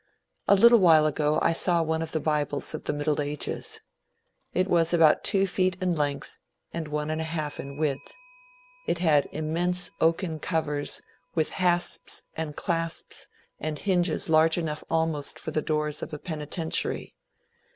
A little while ago I saw one of the bibles of the Middle Ages. It was about two feet in length, and one and a half in width. It had immense oaken covers, with hasps, and clasps, and hinges large enough almost for the doors of a penitentiary.